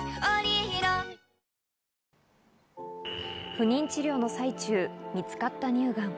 不妊治療の最中、見つかった乳がん。